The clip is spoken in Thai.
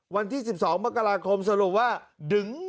วันที่๑๒มกราคมสรุปว่า